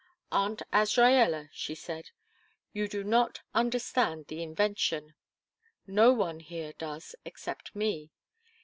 "Aunt Azraella," she said, "you do not understand the invention no one here does, except me.